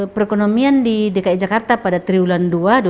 perekonomian di dki jakarta pada triwulan dua dua ribu dua puluh